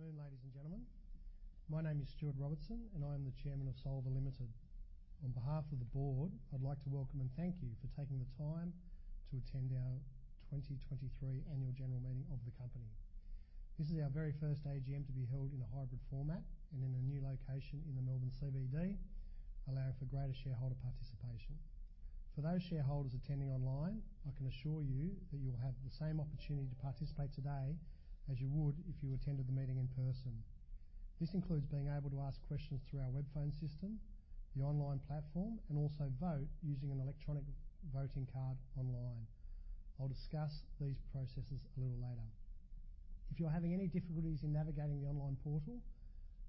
Afternoon, ladies and gentlemen. My name is Stuart Robertson, and I am the Chairman of Solvar Limited. On behalf of the board, I'd like to welcome and thank you for taking the time to attend our 2023 annual general meeting of the company. This is our very first AGM to be held in a hybrid format and in a new location in the Melbourne CBD, allowing for greater shareholder participation. For those shareholders attending online, I can assure you that you will have the same opportunity to participate today as you would if you attended the meeting in person. This includes being able to ask questions through our webphone system, the online platform, and also vote using an electronic voting card online. I'll discuss these processes a little later. If you are having any difficulties in navigating the online portal,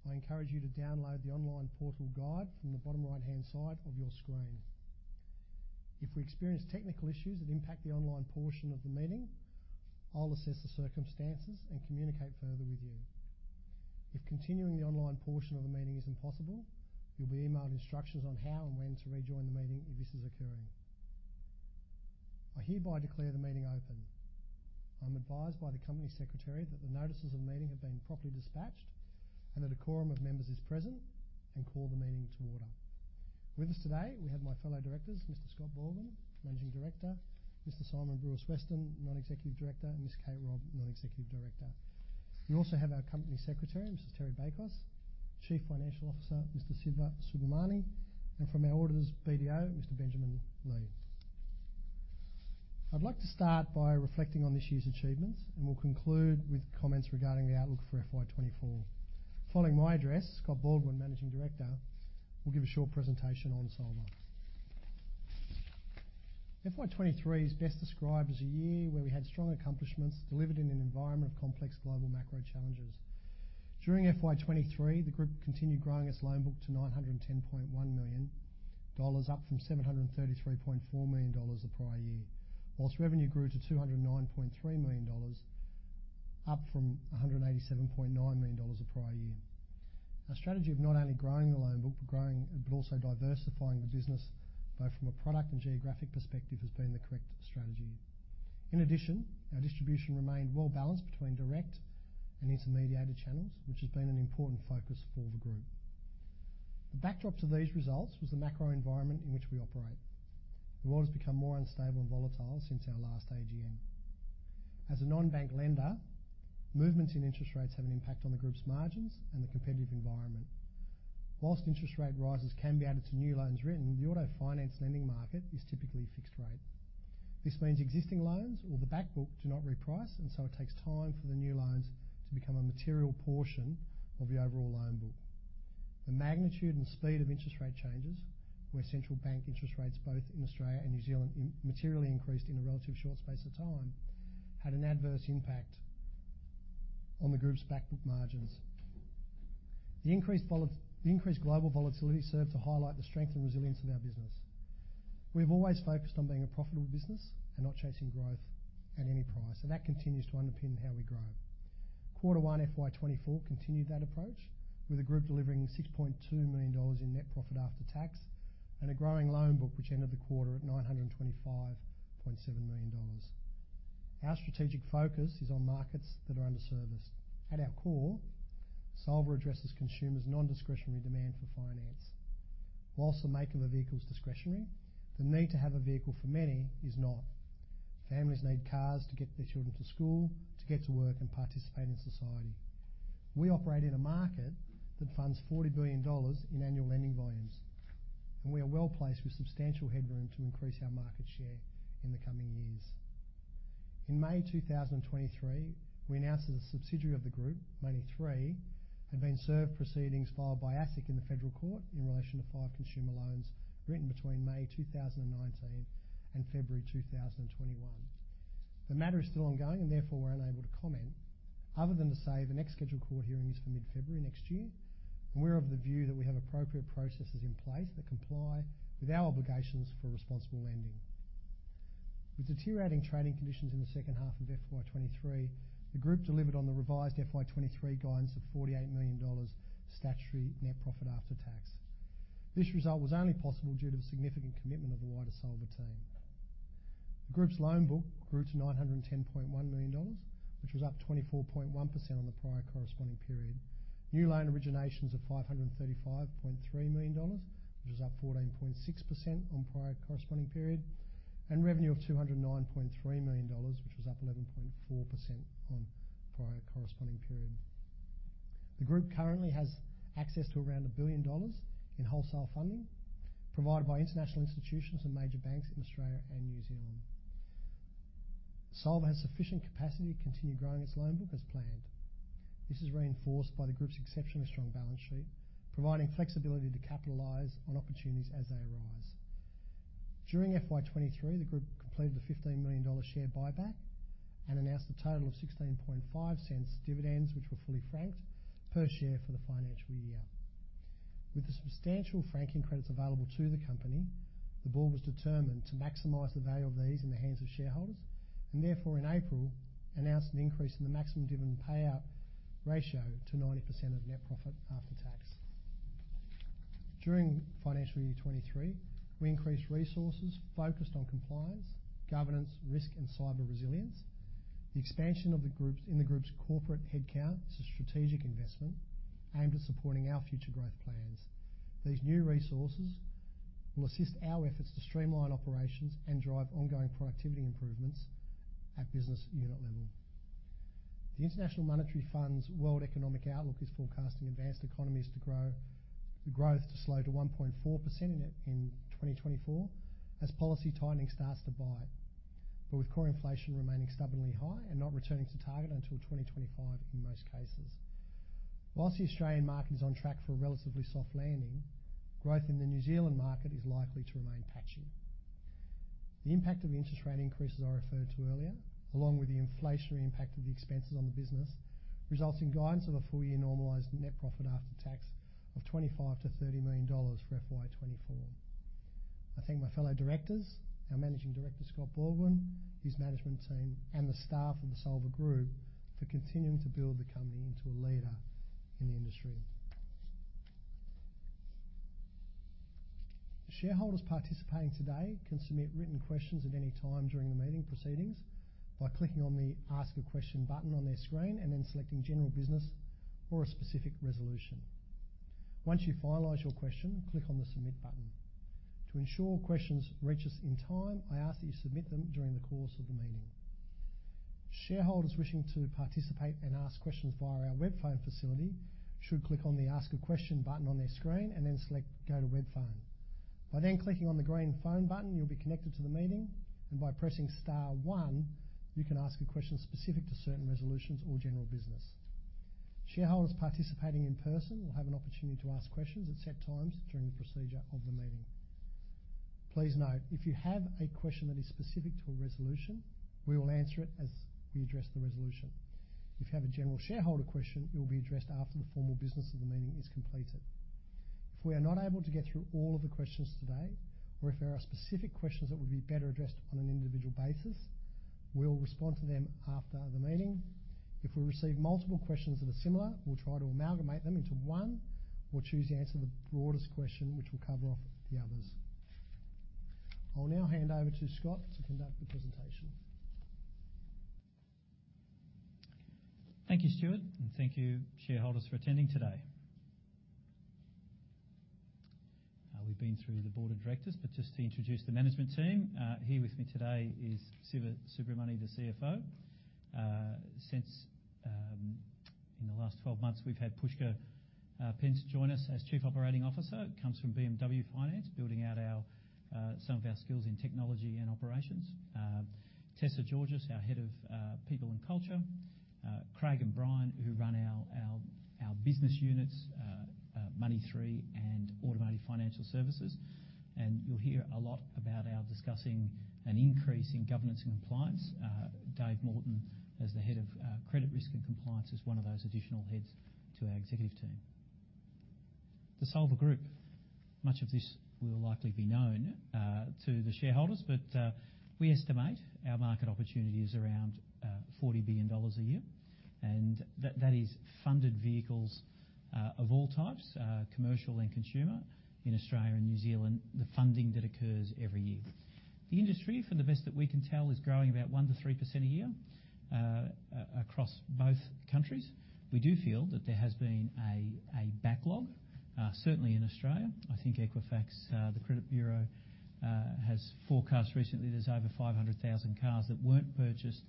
I encourage you to download the online portal guide from the bottom right-hand side of your screen. If we experience technical issues that impact the online portion of the meeting, I'll assess the circumstances and communicate further with you. If continuing the online portion of the meeting is impossible, you'll be emailed instructions on how and when to rejoin the meeting if this is occurring. I hereby declare the meeting open. I'm advised by the Company Secretary that the notices of meeting have been properly dispatched, and the quorum of members is present and I call the meeting to order. With us today, we have my fellow directors, Mr. Scott Baldwin, Managing Director, Mr. Symon Brewis-Weston, Non-Executive Director, and Ms. Kate Robb, Non-Executive Director. We also have our Company Secretary, Mrs. Terri Bakos, Chief Financial Officer, Mr. Siva Subramani, and from our auditors, BDO, Mr. Benjamin Liu. I'd like to start by reflecting on this year's achievements, and we'll conclude with comments regarding the outlook for FY 2024. Following my address, Scott Baldwin, Managing Director, will give a short presentation on Solvar. FY 2023 is best described as a year where we had strong accomplishments delivered in an environment of complex global macro challenges. During FY 2023, the Group continued growing its loan book to 910.1 million dollars, up from 733.4 million dollars the prior year. While revenue grew to 209.3 million dollars, up from 187.9 million dollars the prior year. Our strategy of not only growing the loan book, but also diversifying the business, both from a product and geographic perspective, has been the correct strategy. In addition, our distribution remained well-balanced between direct and intermediated channels, which has been an important focus for the Group. The backdrop to these results was the macro environment in which we operate. The world has become more unstable and volatile since our last AGM. As a non-bank lender, movements in interest rates have an impact on the Group's margins and the competitive environment. While interest rate rises can be added to new loans written, the auto finance lending market is typically fixed rate. This means existing loans or the back book do not reprice, and so it takes time for the new loans to become a material portion of the overall loan book. The magnitude and speed of interest rate changes, where central bank interest rates, both in Australia and New Zealand, materially increased in a relatively short space of time, had an adverse impact on the Group's back book margins. The increased global volatility served to highlight the strength and resilience of our business. We've always focused on being a profitable business and not chasing growth at any price, so that continues to underpin how we grow. Q1 FY 2024, continued that approach, with the Group delivering 6.2 million dollars in net profit after tax and a growing loan book, which ended the quarter at 925.7 million dollars. Our strategic focus is on markets that are underserviced. At our core, Solvar addresses consumers' non-discretionary demand for finance. While the make of a vehicle is discretionary, the need to have a vehicle for many is not. Families need cars to get their children to school, to get to work and participate in society. We operate in a market that funds 40 billion dollars in annual lending volumes, and we are well-placed with substantial headroom to increase our market share in the coming years. In May 2023, we announced that a subsidiary of the Group, Money3, had been served proceedings filed by ASIC in the Federal Court in relation to five consumer loans written between May 2019 and February 2021. The matter is still ongoing, and therefore, we're unable to comment, other than to say the next scheduled court hearing is for mid-February next year, and we're of the view that we have appropriate processes in place that comply with our obligations for responsible lending. With deteriorating trading conditions in the second half of FY 2023, the Group delivered on the revised FY 2023 guidance of 48 million dollars statutory net profit after tax. This result was only possible due to the significant commitment of the wider Solvar team. The Group's loan book grew to 910.1 million dollars, which was up 24.1% on the prior corresponding period. New loan originations of 535.3 million dollars, which was up 14.6% on prior corresponding period, and revenue of 209.3 million dollars, which was up 11.4% on prior corresponding period. The Group currently has access to around 1 billion dollars in wholesale funding provided by international institutions and major banks in Australia and New Zealand. Solvar has sufficient capacity to continue growing its loan book as planned. This is reinforced by the Group's exceptionally strong balance sheet, providing flexibility to capitalize on opportunities as they arise. During FY 2023, the Group completed a 15 million dollar share buyback and announced a total of 0.165 per share dividend, which were fully franked per share for the financial year. With the substantial franking credits available to the company, the board was determined to maximize the value of these in the hands of shareholders, and therefore, in April, announced an increase in the maximum dividend payout ratio to 90% of net profit after tax. During financial year 2023, we increased resources focused on compliance, governance, risk, and cyber resilience. The expansion of the group's corporate headcount is a strategic investment aimed at supporting our future growth plans. These new resources will assist our efforts to streamline operations and drive ongoing productivity improvements at business unit level. The International Monetary Fund's World Economic Outlook is forecasting advanced economies' growth to slow to 1.4% in 2024 as policy tightening starts to bite, but with core inflation remaining stubbornly high and not returning to target until 2025 in most cases. While the Australian market is on track for a relatively soft landing, growth in the New Zealand market is likely to remain patchy. The impact of interest rate increases I referred to earlier, along with the inflationary impact of the expenses on the business, results in guidance of a full-year normalized net profit after tax of 25 million-30 million dollars for FY 2024. I thank my fellow directors, our Managing Director, Scott Baldwin, his management team, and the staff of the Solvar Group for continuing to build the company into a leader in the industry. Shareholders participating today can submit written questions at any time during the meeting proceedings by clicking on the Ask a Question button on their screen and then selecting General Business or a specific resolution. Once you finalize your question, click on the Submit button. To ensure questions reach us in time, I ask that you submit them during the course of the meeting. Shareholders wishing to participate and ask questions via our web phone facility should click on the Ask a Question button on their screen and then select Go to Web Phone. By then clicking on the green phone button, you'll be connected to the meeting, and by pressing star one, you can ask a question specific to certain resolutions or general business. Shareholders participating in person will have an opportunity to ask questions at set times during the procedure of the meeting. Please note, if you have a question that is specific to a resolution, we will answer it as we address the resolution. If you have a general shareholder question, it will be addressed after the formal business of the meeting is completed. If we are not able to get through all of the questions today, or if there are specific questions that would be better addressed on an individual basis, we'll respond to them after the meeting. If we receive multiple questions that are similar, we'll try to amalgamate them into one or choose the answer to the broadest question, which will cover off the others. I'll now hand over to Scott to conduct the presentation. Thank you, Stuart, and thank you, shareholders, for attending today. We've been through the board of directors, but just to introduce the management team, here with me today is Siva Subramani, the CFO. Since in the last 12 months, we've had Pushkar Pendse join us as Chief Operating Officer, comes from BMW Finance, building out some of our skills in technology and operations. Tessa Georgis, our head of People and Culture. Craig and Brian, who run our business units, Money3 and Automotive Financial Services. And you'll hear a lot about our discussing an increase in governance and compliance. Dave Morton, as the head of Credit Risk and Compliance, is one of those additional heads to our executive team. The Solvar Group, much of this will likely be known to the shareholders, but we estimate our market opportunity is around 40 billion dollars a year, and that is funded vehicles of all types, commercial and consumer in Australia and New Zealand, the funding that occurs every year. The industry, from the best that we can tell, is growing about 1%-3% a year across both countries. We do feel that there has been a backlog certainly in Australia. I think Equifax, the credit bureau, has forecast recently there's over 500,000 cars that weren't purchased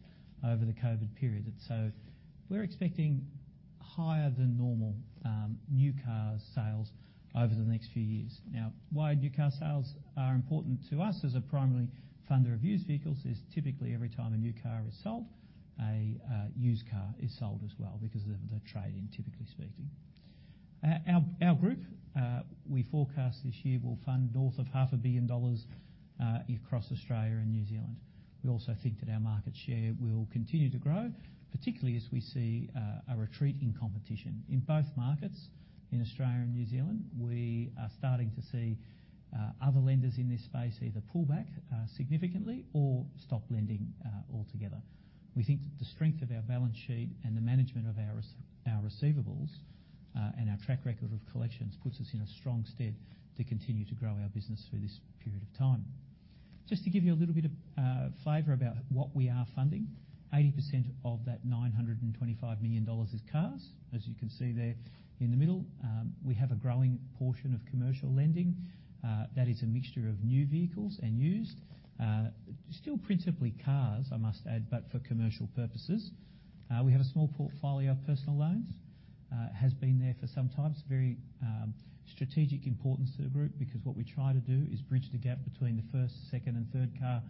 over the COVID period. So we're expecting higher than normal new car sales over the next few years. Now, why new car sales are important to us as a primary funder of used vehicles, is typically every time a new car is sold, a used car is sold as well because of the trade-in, typically speaking. Our group, we forecast this year will fund north of 500 million dollars across Australia and New Zealand. We also think that our market share will continue to grow, particularly as we see a retreat in competition. In both markets, in Australia and New Zealand, we are starting to see other lenders in this space either pull back significantly or stop lending altogether. We think the strength of our balance sheet and the management of our receivables and our track record of collections puts us in a strong stead to continue to grow our business through this period of time. Just to give you a little bit of flavor about what we are funding, 80% of that 925 million dollars is cars, as you can see there in the middle. We have a growing portion of commercial lending. That is a mixture of new vehicles and used, still principally cars, I must add, but for commercial purposes. We have a small portfolio of personal loans. It has been there for some time. It's very strategic importance to the group because what we try to do is bridge the gap between the first, second, and third car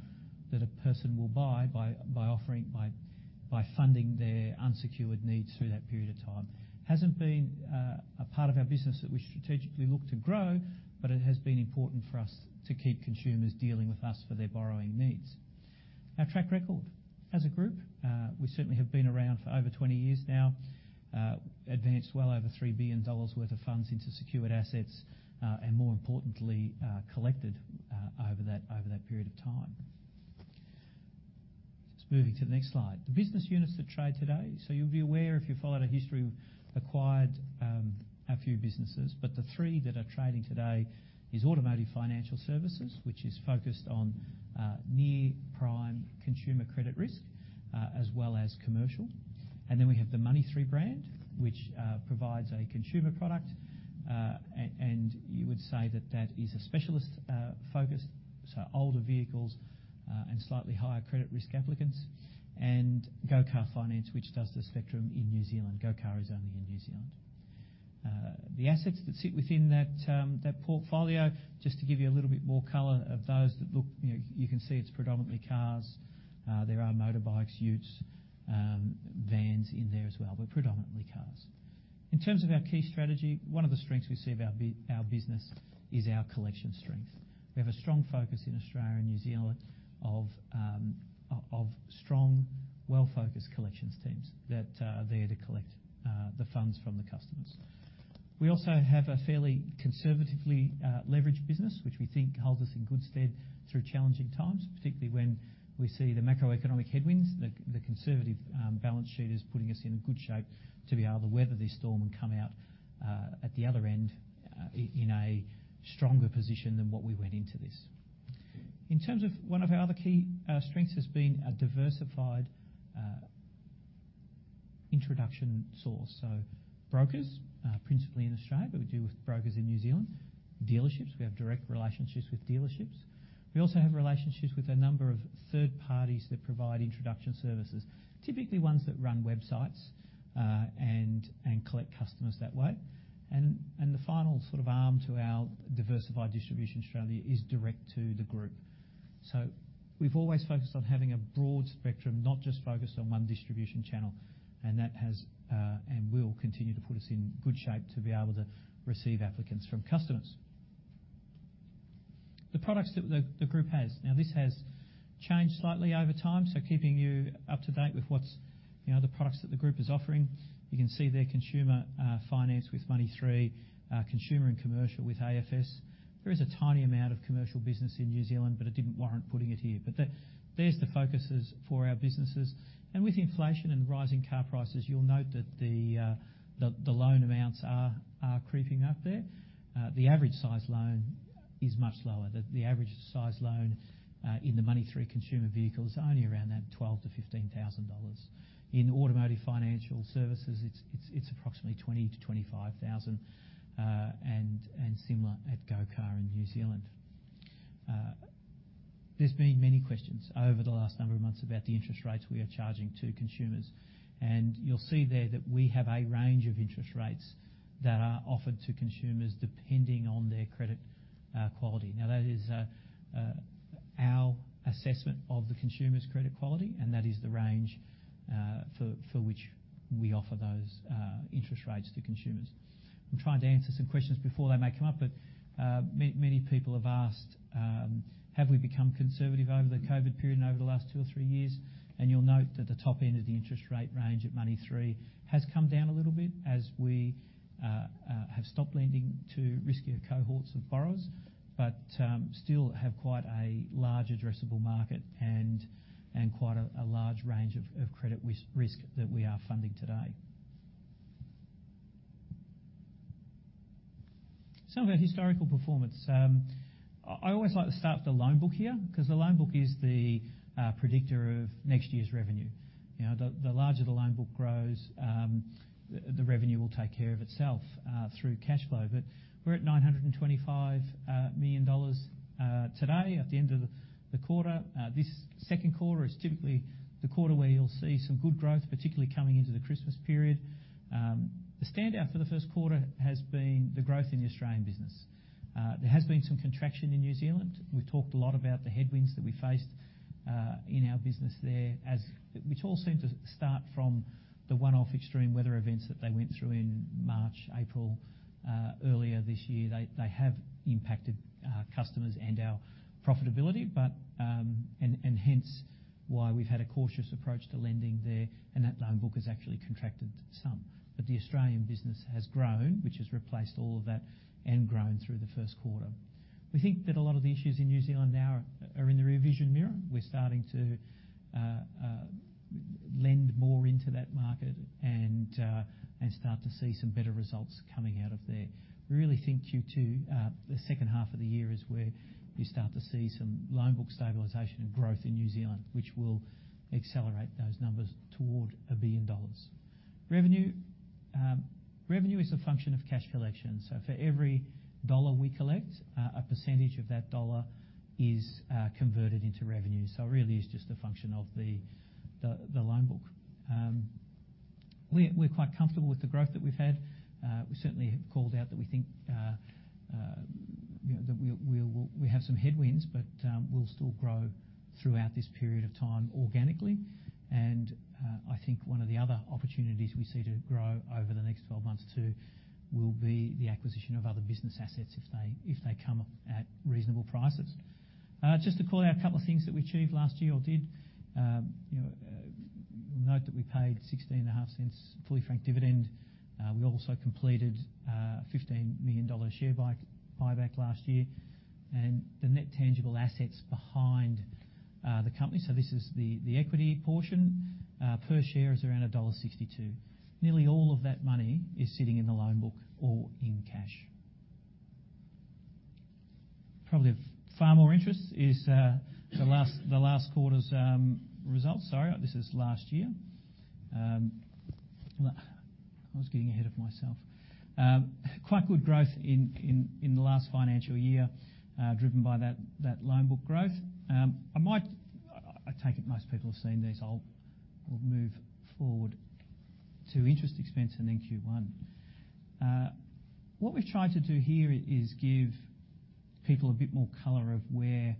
that a person will buy by funding their unsecured needs through that period of time. Hasn't been a part of our business that we strategically look to grow, but it has been important for us to keep consumers dealing with us for their borrowing needs. Our track record as a group, we certainly have been around for over 20 years now, advanced well over 3 billion dollars worth of funds into secured assets, and more importantly, collected over that period of time. Just moving to the next slide. The business units that trade today, so you'll be aware, if you've followed our history, we've acquired a few businesses, but the three that are trading today is Automotive Financial Services, which is focused on near-prime consumer credit risk as well as commercial. And then we have the Money3 brand, which provides a consumer product. And you would say that that is a specialist focus, so older vehicles and slightly higher credit risk applicants, and Go Car Finance, which does the spectrum in New Zealand. Go Car is only in New Zealand. The assets that sit within that, that portfolio, just to give you a little bit more color of those that look, you know, you can see it's predominantly cars. There are motorbikes, utes, vans in there as well, but predominantly cars. In terms of our key strategy, one of the strengths we see of our business is our collection strength. We have a strong focus in Australia and New Zealand of strong, well-focused collections teams that are there to collect the funds from the customers. We also have a fairly conservatively leveraged business, which we think holds us in good stead through challenging times, particularly when we see the macroeconomic headwinds. The conservative balance sheet is putting us in a good shape to be able to weather this storm and come out at the other end in a stronger position than what we went into this. In terms of one of our other key strengths has been a diversified introduction source, so brokers principally in Australia, but we deal with brokers in New Zealand. Dealerships, we have direct relationships with dealerships. We also have relationships with a number of third parties that provide introduction services, typically ones that run websites, and collect customers that way. And the final sort of arm to our diversified distribution in Australia is direct to the group. So we've always focused on having a broad spectrum, not just focused on one distribution channel, and that has and will continue to put us in good shape to be able to receive applicants from customers. The products that the group has. Now, this has changed slightly over time, so keeping you up to date with what's, you know, the products that the group is offering. You can see there, consumer finance with Money3, consumer and commercial with AFS. There is a tiny amount of commercial business in New Zealand, but it didn't warrant putting it here. There's the focuses for our businesses, and with inflation and rising car prices, you'll note that the loan amounts are creeping up there. The average size loan is much lower. The average size loan in the Money3 consumer vehicle is only around that 12,000-15,000 dollars. In Automotive Financial Services, it's approximately 20,000-25,000, and similar at Go Car in New Zealand. There's been many questions over the last number of months about the interest rates we are charging to consumers, and you'll see there that we have a range of interest rates that are offered to consumers, depending on their credit quality. Now, that is our assessment of the consumer's credit quality, and that is the range for which we offer those interest rates to consumers. I'm trying to answer some questions before they may come up, but many people have asked, have we become conservative over the COVID period and over the last two or three years? And you'll note that the top end of the interest rate range at Money3 has come down a little bit as we have stopped lending to riskier cohorts of borrowers, but still have quite a large addressable market and quite a large range of credit risk that we are funding today. Some of our historical performance. I always like to start with the loan book here, 'cause the loan book is the predictor of next year's revenue. You know, the larger the loan book grows, the revenue will take care of itself through cash flow. But we're at 925 million dollars today at the end of the quarter. This Q2 is typically the quarter where you'll see some good growth, particularly coming into the Christmas period. The standout for the Q1 has been the growth in the Australian business. There has been some contraction in New Zealand. We've talked a lot about the headwinds that we faced in our business there, as... Which all seemed to start from the one-off extreme weather events that they went through in March, April earlier this year. They have impacted our customers and our profitability, but... Hence, why we've had a cautious approach to lending there, and that loan book has actually contracted some. But the Australian business has grown, which has replaced all of that, and grown through the Q1. We think that a lot of the issues in New Zealand now are in the rear-vision mirror. We're starting to lend more into that market and start to see some better results coming out of there. We really think Q2, the second half of the year, is where we start to see some loan book stabilization and growth in New Zealand, which will accelerate those numbers toward 1 billion dollars. Revenue, revenue is a function of cash collection, so for every dollar we collect, a percentage of that dollar is converted into revenue, so it really is just a function of the loan book. We're quite comfortable with the growth that we've had. We certainly have called out that we think, you know, that we will, we have some headwinds, but we'll still grow throughout this period of time organically. And, I think one of the other opportunities we see to grow over the next 12 months, too, will be the acquisition of other business assets if they come at reasonable prices. Just to call out a couple of things that we achieved last year or did. You'll note that we paid 0.165 fully franked dividend. We also completed a 15 million dollar share buyback last year, and the net tangible assets behind the company, so this is the equity portion per share is around dollar 1.62. Nearly all of that money is sitting in the loan book or in cash. Probably of far more interest is the last quarter's results. Sorry, this is last year. I was getting ahead of myself. Quite good growth in the last financial year driven by that loan book growth. I take it most people have seen these. We'll move forward to interest expense and then Q1. What we've tried to do here is give people a bit more color of where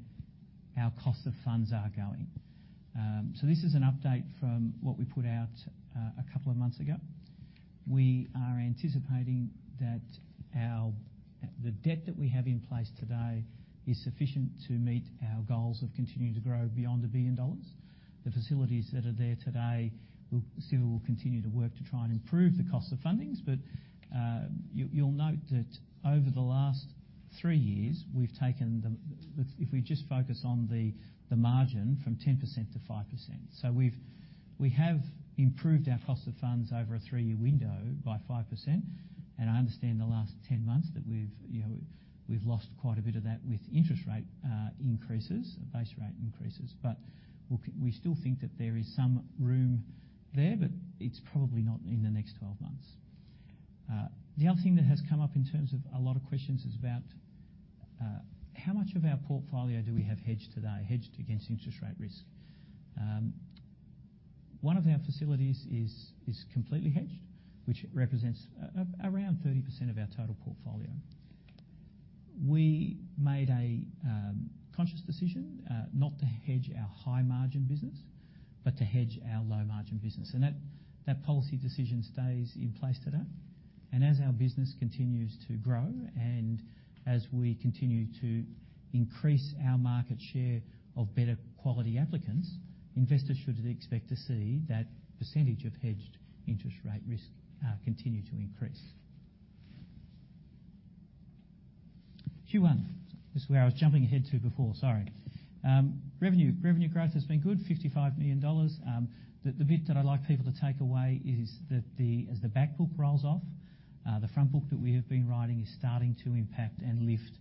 our cost of funds are going. So this is an update from what we put out a couple of months ago. We are anticipating that our, the debt that we have in place today is sufficient to meet our goals of continuing to grow beyond 1 billion dollars. The facilities that are there today, we still will continue to work to try and improve the cost of fundings, but you, you'll note that over the last 3 years, we've taken the- If we just focus on the, the margin from 10%-5%. So we've, we have improved our cost of funds over a three-year window by 5%, and I understand the last 10 months that we've, you know, we've lost quite a bit of that with interest rate increases, base rate increases. But we still think that there is some room there, but it's probably not in the next 12 months. The other thing that has come up in terms of a lot of questions is about how much of our portfolio do we have hedged today, hedged against interest rate risk? One of our facilities is completely hedged, which represents around 30% of our total portfolio. We made a conscious decision not to hedge our high-margin business, but to hedge our low-margin business, and that policy decision stays in place today. And as our business continues to grow and as we continue to increase our market share of better quality applicants, investors should expect to see that percentage of hedged interest rate risk continue to increase. Q1, this is where I was jumping ahead to before, sorry. Revenue, revenue growth has been good, 55 million dollars. The, the bit that I'd like people to take away is that the, as the back book rolls off, the front book that we have been writing is starting to impact and lift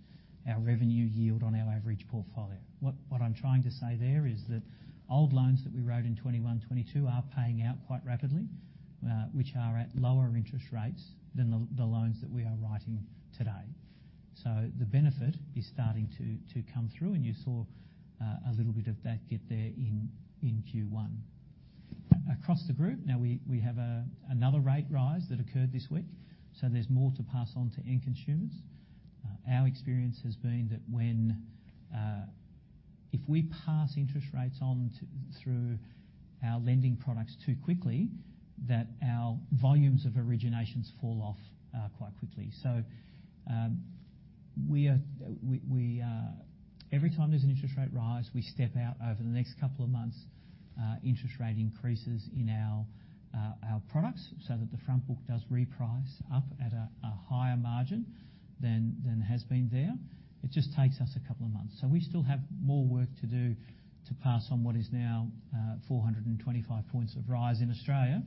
our revenue yield on our average portfolio. What, what I'm trying to say there is that old loans that we wrote in 2021, 2022 are paying out quite rapidly, which are at lower interest rates than the, the loans that we are writing today. So the benefit is starting to, to come through, and you saw, a little bit of that get there in, in Q1. Across the group, now we, we have, another rate rise that occurred this week, so there's more to pass on to end consumers. Our experience has been that when... If we pass interest rates on to, through our lending products too quickly, that our volumes of originations fall off quite quickly. So, we every time there's an interest rate rise, we step out over the next couple of months, interest rate increases in our products, so that the front book does reprice up at a higher margin than has been there. It just takes us a couple of months. So we still have more work to do to pass on what is now 425 points of rise in Australia.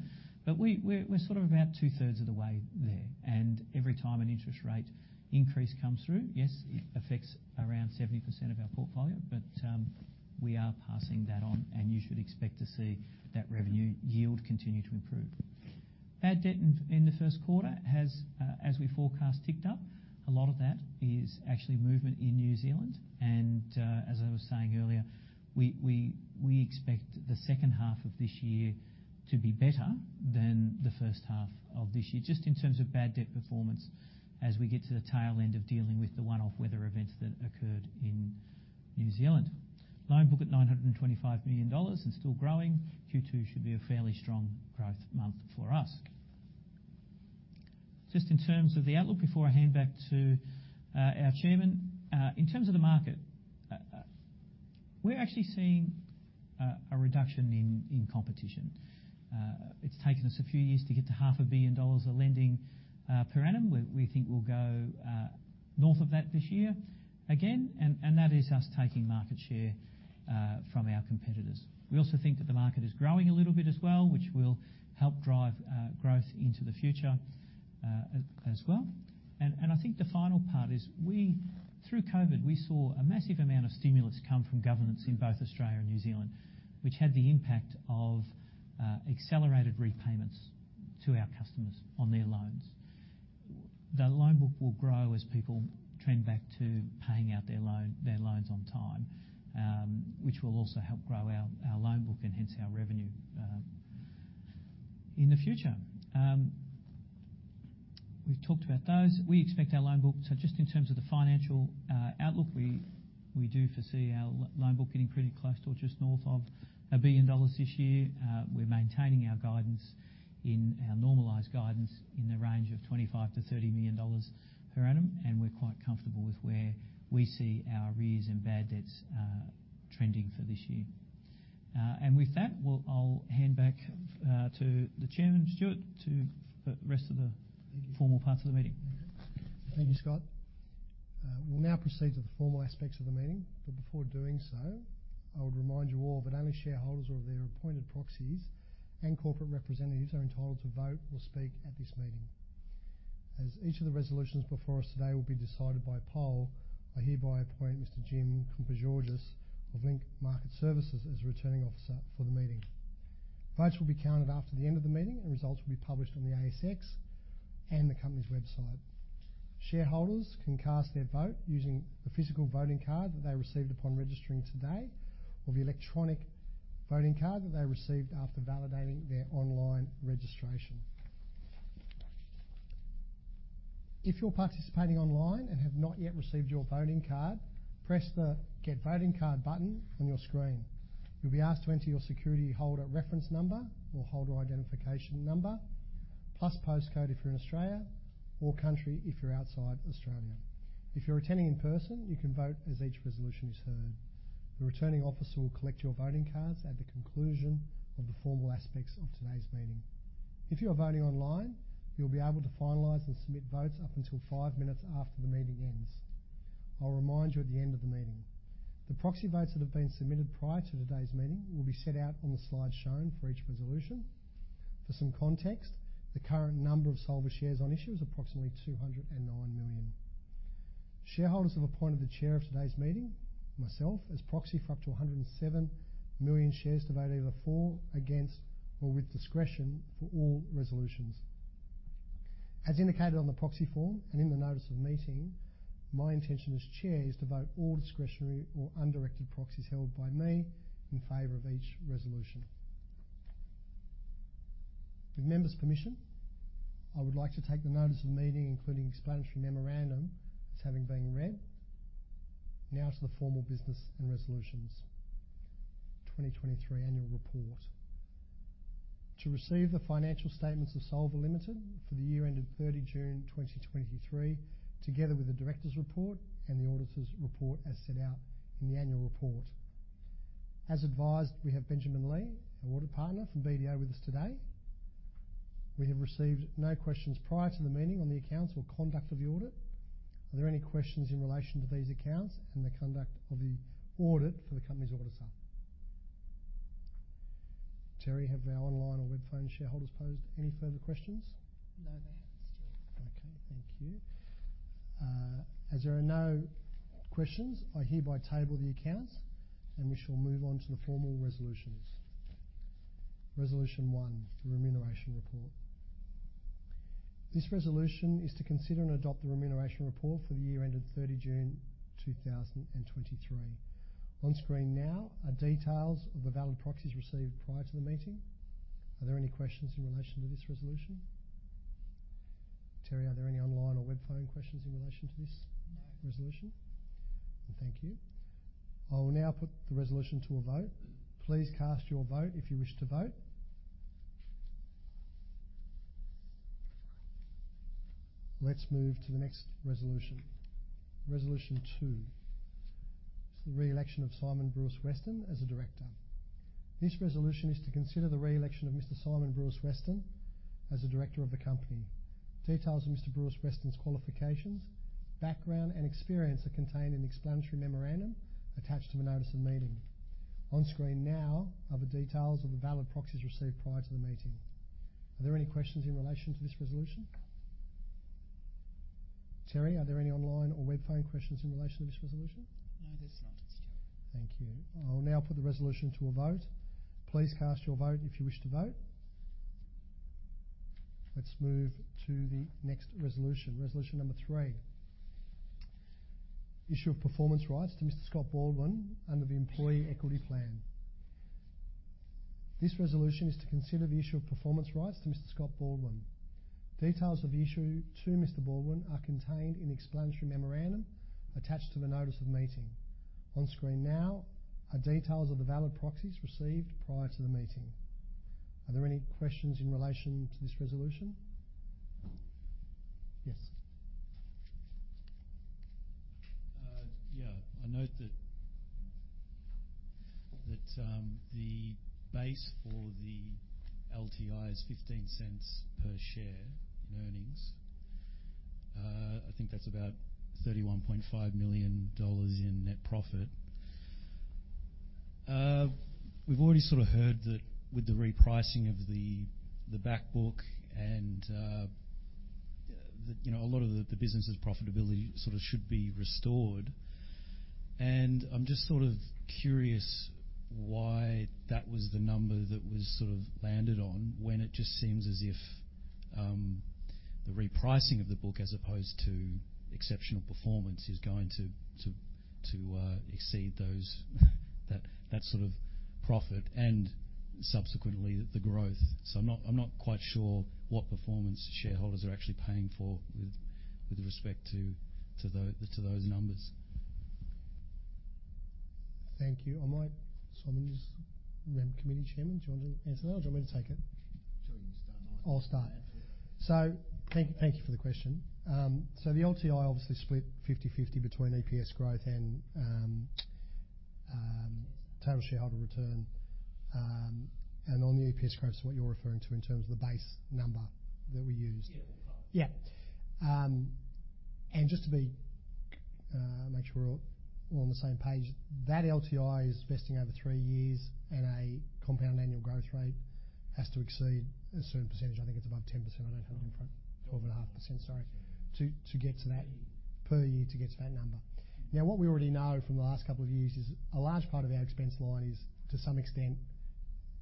But we're sort of about two-thirds of the way there, and every time an interest rate increase comes through, yes, it affects around 70% of our portfolio, but we are passing that on, and you should expect to see that revenue yield continue to improve. Bad debt in the Q1 has, as we forecast, ticked up. A lot of that is actually movement in New Zealand, and as I was saying earlier, we expect the second half of this year to be better than the first half of this year, just in terms of bad debt performance as we get to the tail end of dealing with the one-off weather events that occurred in New Zealand. Loan book at 925 million dollars and still growing. Q2 should be a fairly strong growth month for us. Just in terms of the outlook, before I hand back to our chairman, in terms of the market, we're actually seeing a reduction in competition. It's taken us a few years to get to 500 million dollars of lending per annum. We think we'll go north of that this year again, and that is us taking market share from our competitors. We also think that the market is growing a little bit as well, which will help drive growth into the future as well. And I think the final part is we through COVID, we saw a massive amount of stimulus come from governments in both Australia and New Zealand, which had the impact of accelerated repayments to our customers on their loans. The loan book will grow as people trend back to paying out their loan, their loans on time, which will also help grow our, our loan book and hence our revenue in the future. We've talked about those. We expect our loan book. So just in terms of the financial outlook, we do foresee our loan book getting pretty close to or just north of 1 billion dollars this year. We're maintaining our guidance, our normalized guidance, in the range of 25 million-30 million dollars per annum, and we're quite comfortable with where we see our arrears and bad debts. ...trending for this year. With that, we'll, I'll hand back to the chairman, Stuart, for the rest of the formal parts of the meeting. Thank you, Scott. We'll now proceed to the formal aspects of the meeting, but before doing so, I would remind you all that only shareholders or their appointed proxies and corporate representatives are entitled to vote or speak at this meeting. As each of the resolutions before us today will be decided by poll, I hereby appoint Mr. Jim Kompogiorgas of Link Market Services as Returning Officer for the meeting. Votes will be counted after the end of the meeting, and results will be published on the ASX and the company's website. Shareholders can cast their vote using the physical voting card that they received upon registering today, or the electronic voting card that they received after validating their online registration. If you're participating online and have not yet received your voting card, press the Get Voting Card button on your screen. You'll be asked to enter your security holder reference number or holder identification number, plus postcode if you're in Australia, or country if you're outside Australia. If you're attending in person, you can vote as each resolution is heard. The Returning Officer will collect your voting cards at the conclusion of the formal aspects of today's meeting. If you are voting online, you'll be able to finalize and submit votes up until 5 minutes after the meeting ends. I'll remind you at the end of the meeting. The proxy votes that have been submitted prior to today's meeting will be set out on the slide shown for each resolution. For some context, the current number of Solvar shares on issue is approximately 209 million. Shareholders have appointed the chair of today's meeting, myself, as proxy for up to 107 million shares to vote either for, against, or with discretion for all resolutions. As indicated on the proxy form and in the notice of meeting, my intention as chair is to vote all discretionary or undirected proxies held by me in favor of each resolution. With members' permission, I would like to take the notice of the meeting, including explanatory memorandum, as having been read. Now to the formal business and resolutions. 2023 annual report. To receive the financial statements of Solvar Limited for the year ended 30 June 2023, together with the directors' report and the auditors' report, as set out in the annual report. As advised, we have Benjamin Liu, our audit partner from BDO, with us today. We have received no questions prior to the meeting on the accounts or conduct of the audit. Are there any questions in relation to these accounts and the conduct of the audit for the company's auditor? Terri, have our online or web phone shareholders posed any further questions? No, they haven't, Stuart. Okay, thank you. As there are no questions, I hereby table the accounts, and we shall move on to the formal resolutions. Resolution 1, the remuneration report. This resolution is to consider and adopt the remuneration report for the year ended 30 June 2023. On screen now are details of the valid proxies received prior to the meeting. Are there any questions in relation to this resolution? Terri, are there any online or web phone questions in relation to this- No. -resolution? Thank you. I will now put the resolution to a vote. Please cast your vote if you wish to vote. Let's move to the next resolution. Resolution two is the re-election of Symon Brewis-Weston as a director. This resolution is to consider the re-election of Mr. Symon Brewis-Weston as a director of the company. Details of Mr. Brewis-Weston's qualifications, background, and experience are contained in the explanatory memorandum attached to the notice of meeting. On screen now are the details of the valid proxies received prior to the meeting. Are there any questions in relation to this resolution? Terri, are there any online or web phone questions in relation to this resolution? No, there's not, Stuart. Thank you. I will now put the resolution to a vote. Please cast your vote if you wish to vote. Let's move to the next resolution. Resolution number three: issue of performance rights to Mr. Scott Baldwin under the Employee Equity Plan. This resolution is to consider the issue of performance rights to Mr. Scott Baldwin. Details of the issue to Mr. Baldwin are contained in the explanatory memorandum attached to the notice of meeting. On screen now are details of the valid proxies received prior to the meeting. Are there any questions in relation to this resolution? Yes. Yeah. I note that the base for the LTI is 15 cents per share in earnings. I think that's about 31.5 million dollars in net profit. We've already sort of heard that with the repricing of the back book and that you know a lot of the business's profitability sort of should be restored. And I'm just sort of curious why that was the number that was sort of landed on, when it just seems as if the repricing of the book, as opposed to exceptional performance, is going to exceed those that sort of profit and subsequently the growth. So I'm not quite sure what performance shareholders are actually paying for with respect to those numbers. Thank you. I might... Symon, as Remuneration Committee Chairman, do you want to answer that, or do you want me to take it?... I'll start. So thank you for the question. So the LTI obviously split 50/50 between EPS growth and total shareholder return. And on the EPS growth is what you're referring to in terms of the base number that we use? Yeah. Yeah. Just to make sure we're all on the same page, that LTI is vesting over three years, and a compound annual growth rate has to exceed a certain percentage. I think it's above 10%. I don't have it in front. 12.5%, sorry, to get to that- Per year. -per year, to get to that number. Now, what we already know from the last couple of years is a large part of our expense line is, to some extent,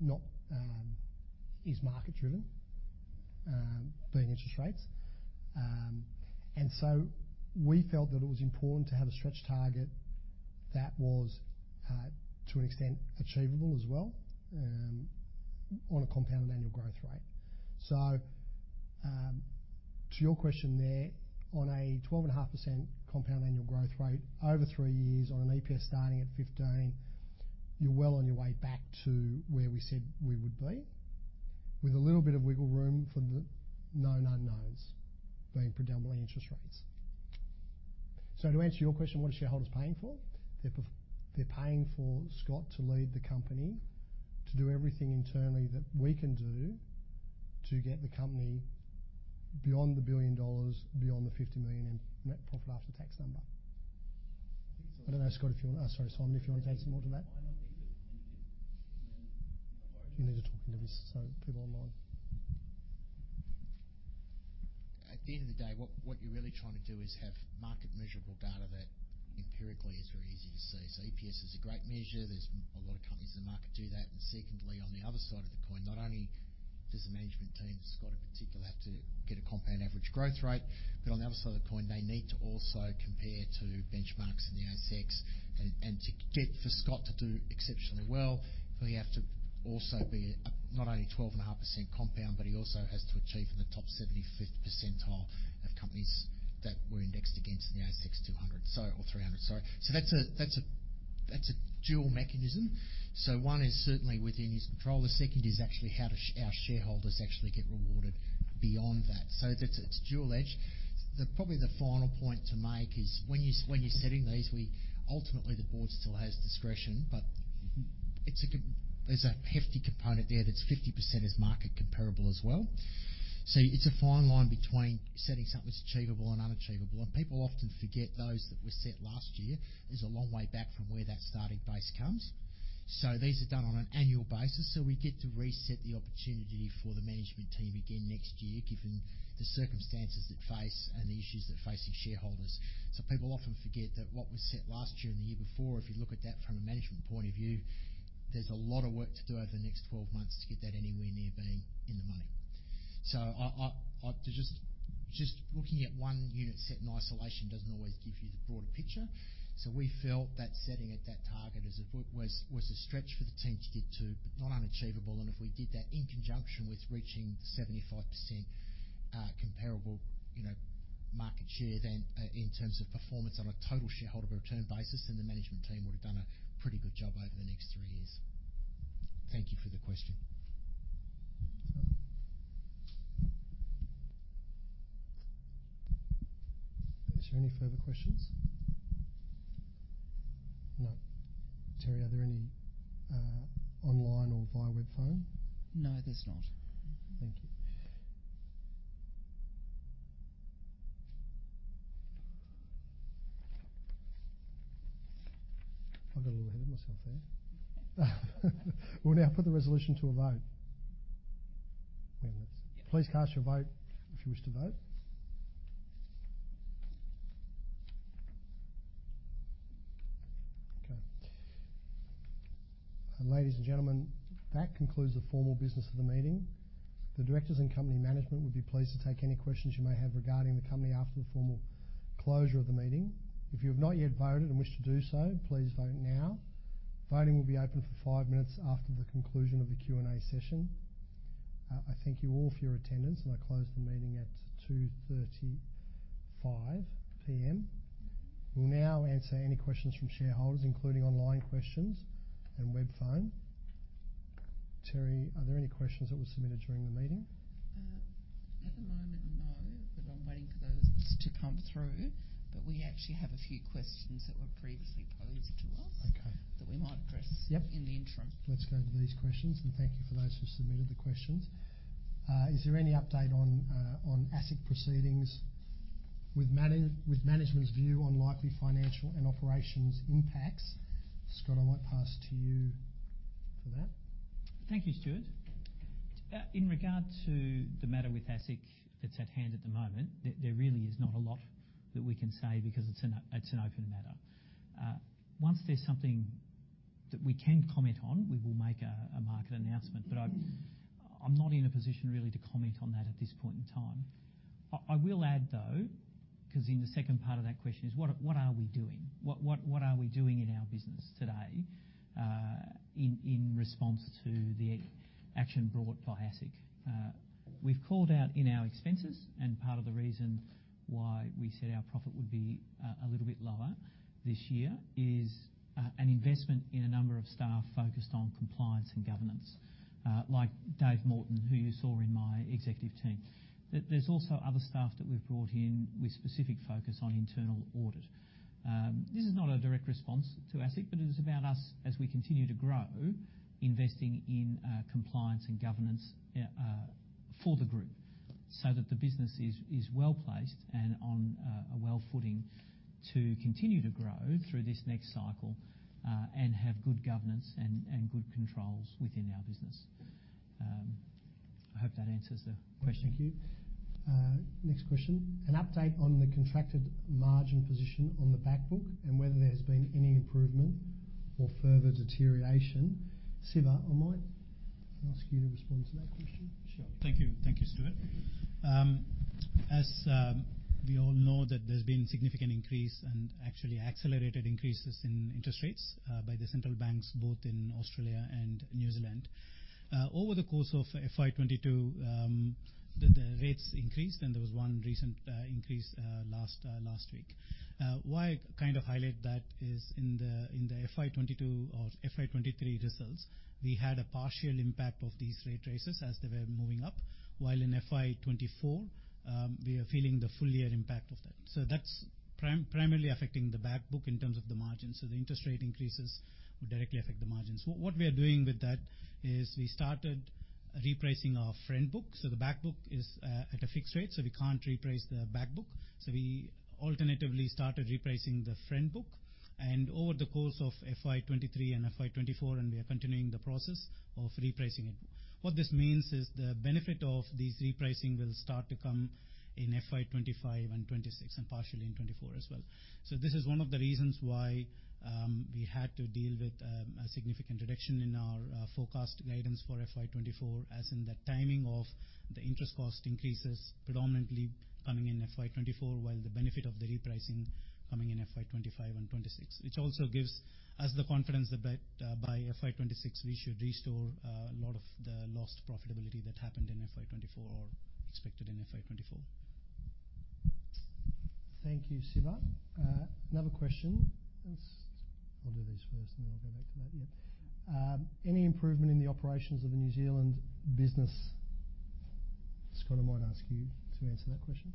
not, is market driven, being interest rates. And so we felt that it was important to have a stretch target that was, to an extent, achievable as well, on a compound annual growth rate. So, to your question there, on a 12.5% compound annual growth rate over three years on an EPS starting at 15, you're well on your way back to where we said we would be, with a little bit of wiggle room for the known unknowns, being predominantly interest rates. So to answer your question, what are shareholders paying for? They're paying for Scott to lead the company, to do everything internally that we can do to get the company beyond 1 billion dollars, beyond the 50 million in net profit after tax number. I don't know, Scott, if you want... Oh, sorry, Symon, if you want to add some more to that. Why not leave it? You need to talk into this so people online. At the end of the day, what you're really trying to do is have market measurable data that empirically is very easy to see. So EPS is a great measure. There's a lot of companies in the market do that. And secondly, on the other side of the coin, not only does the management team, Scott, in particular, have to get a compound average growth rate, but on the other side of the coin, they need to also compare to benchmarks in the ASX. And to get for Scott to do exceptionally well, he have to also be, not only 12.5% compound, but he also has to achieve in the top 75th percentile of companies that we're indexed against in the ASX 200, so, or 300, sorry. So that's a dual mechanism. So one is certainly within his control. The second is actually how to show our shareholders actually get rewarded beyond that. So that's, it's dual edge. Probably the final point to make is when you're setting these, ultimately, the board still has discretion, but- Mm-hmm. There's a hefty component there that's 50% is market comparable as well. So it's a fine line between setting something that's achievable and unachievable. People often forget those that were set last year. There's a long way back from where that starting base comes. So these are done on an annual basis, so we get to reset the opportunity for the management team again next year, given the circumstances that face and the issues that facing shareholders. So people often forget that what was set last year and the year before. If you look at that from a management point of view, there's a lot of work to do over the next 12 months to get that anywhere near being in the money. So looking at one unit set in isolation doesn't always give you the broader picture. So we felt that setting at that target as if it was, was a stretch for the team to get to, but not unachievable. And if we did that in conjunction with reaching the 75%, comparable, you know, market share, then, in terms of performance on a total shareholder return basis, then the management team would have done a pretty good job over the next three years. Thank you for the question. Is there any further questions? No. Terri, are there any online or via web phone? No, there's not. Thank you. I got a little ahead of myself there. We'll now put the resolution to a vote. Wait a minute. Please cast your vote if you wish to vote. Okay. Ladies and gentlemen, that concludes the formal business of the meeting. The directors and company management would be pleased to take any questions you may have regarding the company after the formal closure of the meeting. If you have not yet voted and wish to do so, please vote now. Voting will be open for five minutes after the conclusion of the Q&A session. I thank you all for your attendance, and I close the meeting at 2:35 P.M. We'll now answer any questions from shareholders, including online questions and web phone. Terri, are there any questions that were submitted during the meeting? At the moment, no, but I'm waiting for those to come through. But we actually have a few questions that were previously posed to us- Okay. that we might address Yep. in the interim. Let's go to these questions, and thank you for those who submitted the questions. Is there any update on ASIC proceedings with Money3 with management's view on likely financial and operations impacts? Scott, I might pass to you for that. Thank you, Stuart. In regard to the matter with ASIC that's at hand at the moment, there really is not a lot that we can say because it's an open matter. Once there's something that we can comment on, we will make a market announcement. But I'm not in a position really to comment on that at this point in time. I will add, though, because in the second part of that question is: what are we doing? What are we doing in our business today, in response to the action brought by ASIC? We've called out in our expenses, and part of the reason why we said our profit would be a little bit lower this year is an investment in a number of staff focused on compliance and governance, like Dave Morton, who you saw in my executive team. There's also other staff that we've brought in with specific focus on internal audit. This is not a direct response to ASIC, but it is about us as we continue to grow, investing in compliance and governance for the group, so that the business is well placed and on a well footing to continue to grow through this next cycle, and have good governance and good controls within our business. I hope that answers the question. Thank you. Next question: an update on the contracted margin position on the back book, and whether there's been any improvement or further deterioration? Siva, I might ask you to respond to that question. Sure. Thank you. Thank you, Stuart. As we all know that there's been significant increase and actually accelerated increases in interest rates by the central banks, both in Australia and New Zealand. Over the course of FY 2022, the rates increased, and there was one recent increase last week. Why kind of highlight that is in the FY 2022 or FY 2023 results, we had a partial impact of these rate raises as they were moving up. While in FY 2024, we are feeling the full year impact of that. So that's primarily affecting the back book in terms of the margins, so the interest rate increases would directly affect the margins. What we are doing with that is we started repricing our front book. So the back book is at a fixed rate, so we can't reprice the back book. So we alternatively started repricing the front book, and over the course of FY 2023 and FY 2024, and we are continuing the process of repricing it. What this means is the benefit of these repricing will start to come in FY 2025 and 2026, and partially in 2024 as well. So this is one of the reasons why we had to deal with a significant reduction in our forecast guidance for FY 2024, as in the timing of the interest cost increases predominantly coming in FY 2024, while the benefit of the repricing coming in FY 2025 and 2026, which also gives us the confidence that by FY 2026, we should restore a lot of the lost profitability that happened in FY 2024 or expected in FY 2024. Thank you, Siva. Another question. Let's. I'll do this first, and then I'll go back to that. Yeah. Any improvement in the operations of the New Zealand business? Scott, I might ask you to answer that question.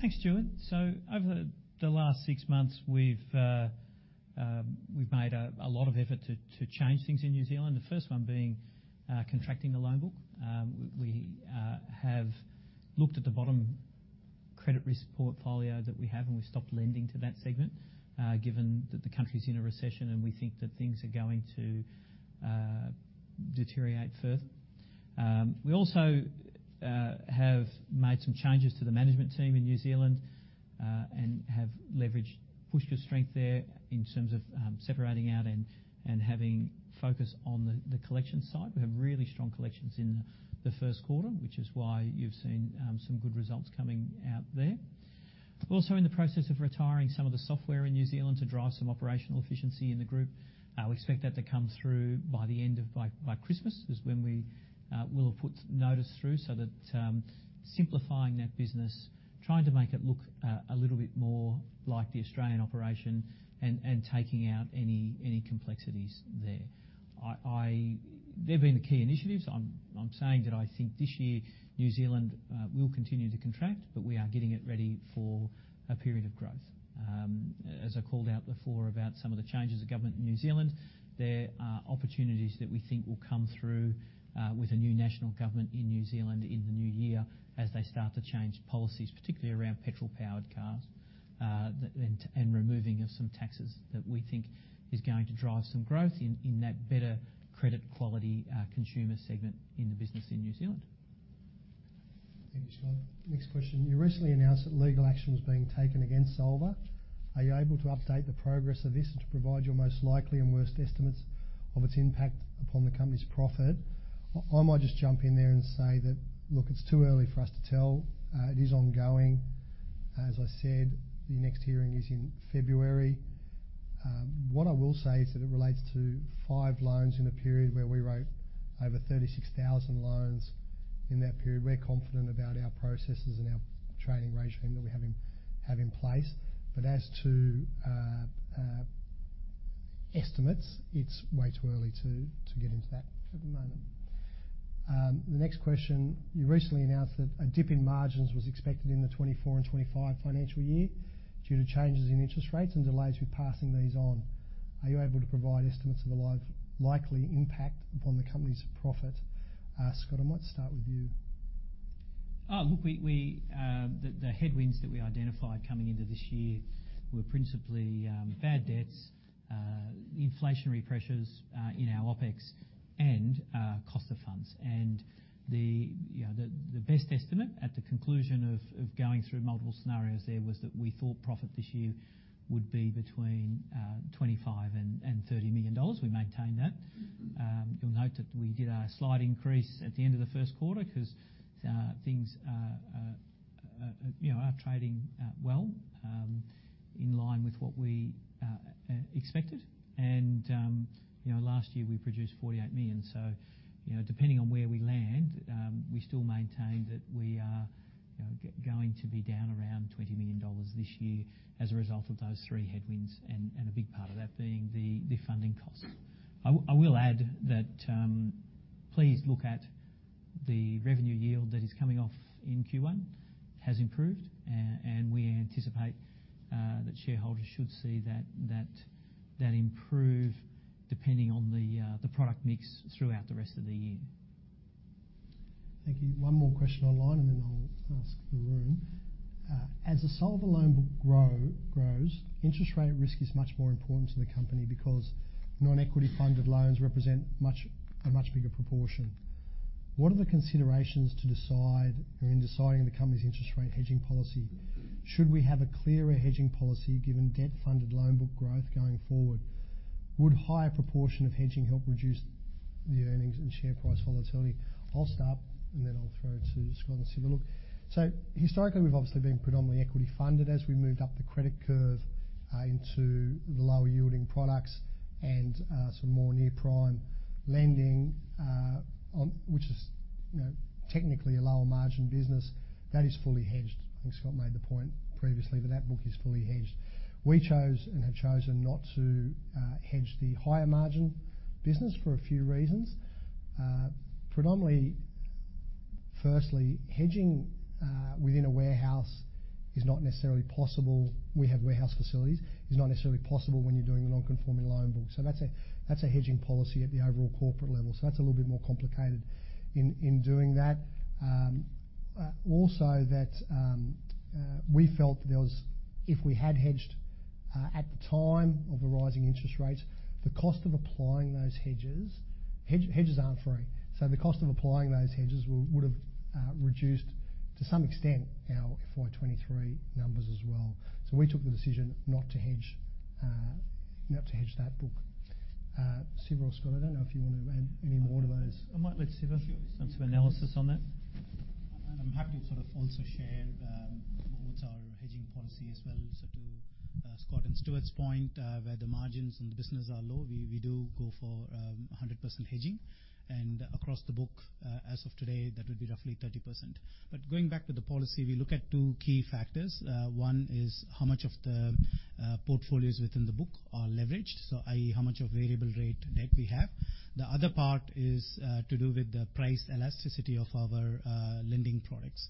Thanks, Stuart. So over the last six months, we've made a lot of effort to change things in New Zealand. The first one being contracting the loan book. We have looked at the bottom credit risk portfolio that we have, and we stopped lending to that segment, given that the country's in a recession and we think that things are going to deteriorate further. We also have made some changes to the management team in New Zealand, and have leveraged, pushed the strength there in terms of separating out and having focus on the collection side. We have really strong collections in the Q1, which is why you've seen some good results coming out there. We're also in the process of retiring some of the software in New Zealand to drive some operational efficiency in the group. We expect that to come through by Christmas, is when we will have put notice through. So that simplifying that business, trying to make it look a little bit more like the Australian operation and taking out any complexities there. They've been the key initiatives. I'm saying that I think this year, New Zealand will continue to contract, but we are getting it ready for a period of growth. As I called out before, about some of the changes of government in New Zealand, there are opportunities that we think will come through, with a new National government in New Zealand in the new year as they start to change policies, particularly around petrol-powered cars, and removing of some taxes, that we think is going to drive some growth in that better credit quality consumer segment in the business in New Zealand. Thank you, Scott. Next question: You recently announced that legal action was being taken against ASIC. Are you able to update the progress of this and to provide your most likely and worst estimates of its impact upon the company's profit? I might just jump in there and say that, look, it's too early for us to tell. It is ongoing. As I said, the next hearing is in February. What I will say is that it relates to five loans in a period where we wrote over 36,000 loans in that period. We're confident about our processes and our training regime that we have in place. But as to estimates, it's way too early to get into that at the moment. The next question: You recently announced that a dip in margins was expected in the 24 and 25 financial year due to changes in interest rates and delays with passing these on. Are you able to provide estimates of the likely impact upon the company's profit? Scott, I might start with you. Oh, look, the headwinds that we identified coming into this year were principally bad debts, inflationary pressures in our OpEx, and cost of funds. The best estimate at the conclusion of going through multiple scenarios there was that we thought profit this year would be between 25 million and 30 million dollars. We maintain that. You'll note that we did a slight increase at the end of the Q1, 'cause things are trading well in line with what we expected. You know, last year, we produced 48 million. So, you know, depending on where we land, we still maintain that we are, you know, going to be down around 20 million dollars this year as a result of those three headwinds, and, and a big part of that being the, the funding cost. I will add that, please look at the revenue yield that is coming off in Q1 has improved, and we anticipate, that shareholders should see that, that, that improve depending on the, the product mix throughout the rest of the year. Thank you. One more question online, and then I'll ask the room. As the Solvar loan book grows, interest rate risk is much more important to the company because non-equity funded loans represent a much bigger proportion. What are the considerations to decide or in deciding the company's interest rate hedging policy? Should we have a clearer hedging policy, given debt-funded loan book growth going forward? Would higher proportion of hedging help reduce the earnings and share price volatility? I'll start, and then I'll throw it to Scott and Siva. So historically, we've obviously been predominantly equity funded. As we moved up the credit curve into the lower yielding products and some more near-prime lending, which is, you know, technically a lower margin business, that is fully hedged. I think Scott made the point previously, but that book is fully hedged. We chose and have chosen not to hedge the higher margin business for a few reasons. Predominantly, firstly, hedging within a warehouse is not necessarily possible. We have warehouse facilities, is not necessarily possible when you're doing a non-conforming loan book. So that's a, that's a hedging policy at the overall corporate level, so that's a little bit more complicated in doing that. Also, we felt there was... If we had hedged at the time of the rising interest rates, the cost of applying those hedges, hedges aren't free, so the cost of applying those hedges would have reduced, to some extent, our FY 2023 numbers as well. So we took the decision not to hedge, not to hedge that book. Siva or Scott, I don't know if you want to add any more to those. I might let Siva- Sure. some analysis on that. I'm happy to sort of also share what's our hedging policy as well. To Scott and Stuart's point, where the margins in the business are low, we do go for 100% hedging. Across the book, as of today, that would be roughly 30%. But going back to the policy, we look at two key factors. One is how much of the portfolios within the book are leveraged, so, i.e., how much of variable rate debt we have. The other part is to do with the price elasticity of our lending products.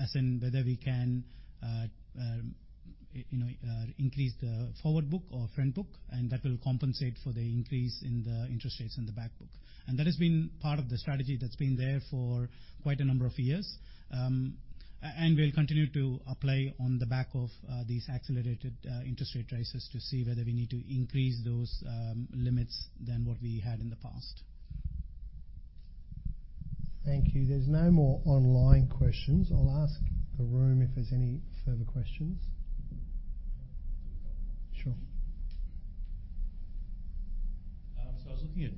As in whether we can, you know, increase the forward book or front book, and that will compensate for the increase in the interest rates in the back book. That has been part of the strategy that's been there for quite a number of years. And we'll continue to apply, on the back of, these accelerated interest rate rises to see whether we need to increase those limits than what we had in the past. Thank you. There's no more online questions. I'll ask the room if there's any further questions. Sure. So I was looking at